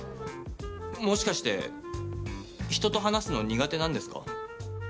もしかして人と話すの苦手なんですか？